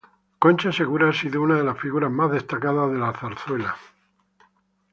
Concha Segura ha sido una de las figuras más destacadas de la zarzuela.